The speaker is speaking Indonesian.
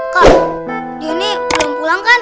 kak johnny belum pulang kan